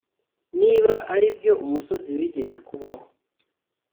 Niba aribyo umusozi wigeze kubaho